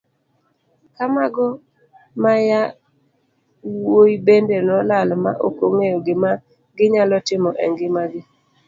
Ka mago mayawuoyi bende nolal ma okong'eyo gima ginyalo timo e ngima gi.